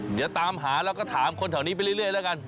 เดี๋ยวตามหาแล้วก็ถามคนแถวนี้ไปเรื่อยแล้วกัน